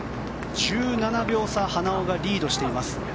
１７秒差花尾がリードしています。